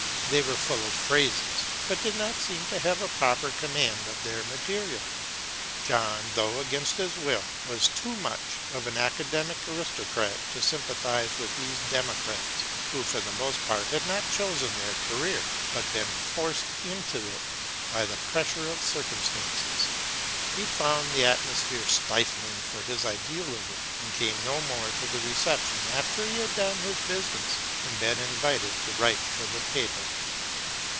They were full of phrases, but did not seem to have a proper command of their material. John, though against his will, was too much of an academic aristocrat to sympathise with these democrats, who for the most part had not chosen their career, but been forced into it by the pressure of circumstances. He found the atmosphere stifling for his idealism, and came no more to the receptions after he had done his business, and been invited to write for the paper.